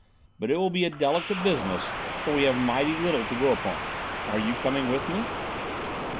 But it will be a delicate business, for we have mighty little to go upon. Are you coming with me?"